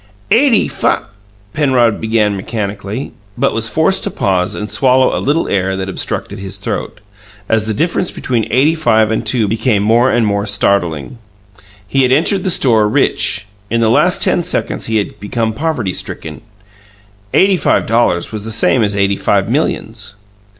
"Eighty fi " Penrod began mechanically, but was forced to pause and swallow a little air that obstructed his throat, as the difference between eighty five and two became more and more startling. He had entered the store, rich; in the last ten seconds he had become poverty stricken. Eighty five dollars was the same as eighty five millions.